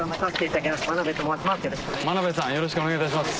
よろしくお願いします。